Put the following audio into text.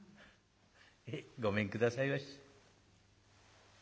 ごめんくださいまし」。